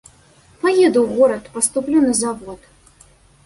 Паеду ў горад, паступлю на завод.